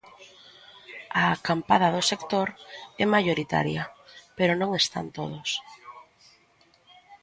A acampada do sector é maioritaria, pero non están todos.